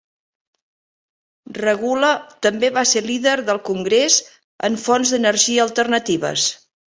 Regula també va ser líder del Congrés en fonts d'energia alternatives.